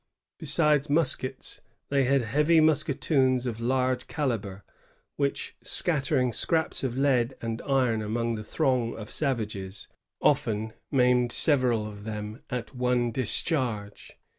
Besides muskets, they had heavy musketoons of large calibre, which, scattering scraps of lead and iron among the throng of savages, often maimed several of them at one discharge.